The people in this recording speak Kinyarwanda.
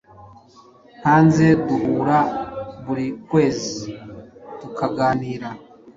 hanze duhura buri kwezi tukaganira